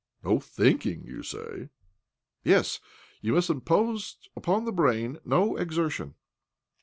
"No thiiiking, you say?" " Yes— you must impose upon the brain no exertion."